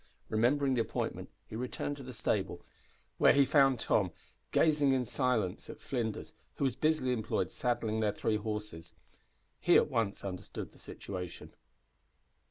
Remembering the appointment, he returned to the stable, where he found Tom gazing in silence at Flinders, who was busily employed saddling their three horses. He at once understood the situation.